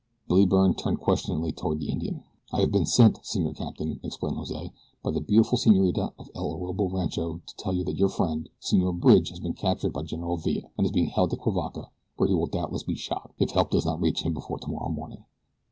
Billy Byrne turned questioningly toward the Indian. "I have been sent, Senor Capitan," explained Jose, "by the beautiful senorita of El Orobo Rancho to tell you that your friend, Senor Bridge, has been captured by General Villa, and is being held at Cuivaca, where he will doubtless be shot if help does not reach him before tomorrow morning."